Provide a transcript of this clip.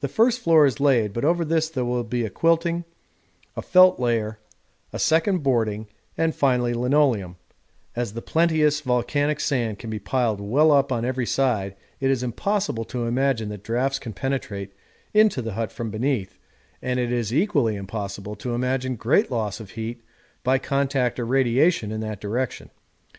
The first floor is laid, but over this there will be a quilting, a felt layer, a second boarding, and finally linoleum; as the plenteous volcanic sand can be piled well up on every side it is impossible to imagine that draughts can penetrate into the hut from beneath, and it is equally impossible to imagine great loss of heat by contact or radiation in that direction.